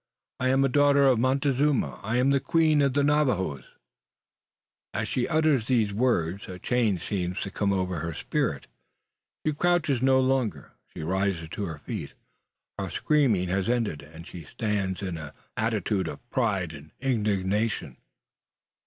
I am a daughter of Montezuma! I am a queen of the Navajoes!" As she utters these words, a change seems to come over her spirit. She crouches no longer. She rises to her feet. Her screaming has ended, and she stands in an attitude of pride and indignation.